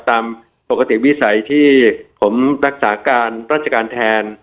ตามปกติวิสัยที่ผมรักษาการราชการแทน